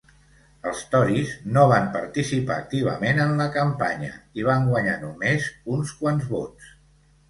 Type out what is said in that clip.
Els tories no van participar activament en la campanya i van guanyar només uns quants vots.